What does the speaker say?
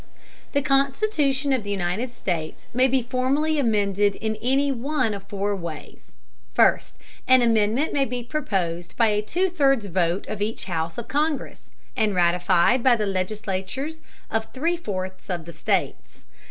The Constitution of the United States may be formally amended in any one of four ways. First, an amendment may be proposed by a two thirds vote of each House of Congress, and ratified by the legislatures of three fourths of the states.